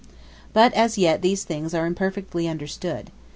But as yet these things are imperfectly understood.